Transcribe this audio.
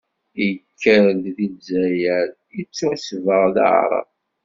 Ikker-d di lezzayer, ittusbeɣ d aɛṛab.